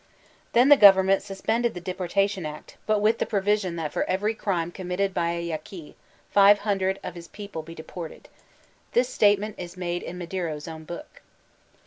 Then the government suspended the deportation act, but with the provision that for every crime committed by a Yaqui, five hundred of his people be deported. Thb statement b made in Madero's own book.